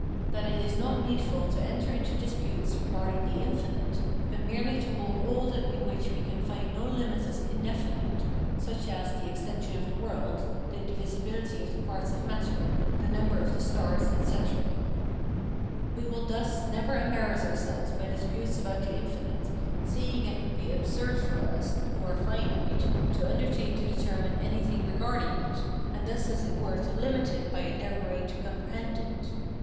That it is not needful to enter into disputes [Footnote: "to essay to comprehend the infinite." FRENCH.] regarding the infinite, but merely to hold all that in which we can find no limits as indefinite, such as the extension of the world, the divisibility of the parts of matter, the number of the stars, etc. We will thus never embarrass ourselves by disputes about the infinite, seeing it would be absurd for us who are finite to undertake to determine anything regarding it, and thus as it were to limit it by endeavouring to comprehend it.